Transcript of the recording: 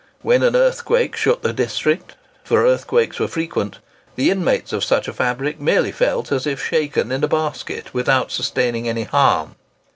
When an earthquake shook the district—for earthquakes were frequent—the inmates of such a fabric merely felt as if shaken in a basket, without sustaining any harm.